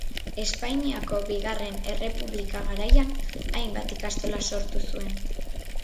Espainiako Bigarren Errepublika garaian hainbat ikastola sortu zuen.